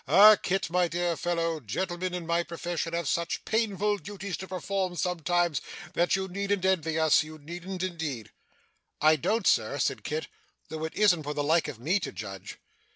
Ah Kit, my dear fellow, gentleman in my profession have such painful duties to perform sometimes, that you needn't envy us you needn't indeed!' 'I don't, sir,' said Kit, 'though it isn't for the like of me to judge.